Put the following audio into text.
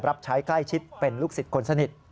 รับใช้ใกล้ชิดเป็นลูกศิษย์คนสนิท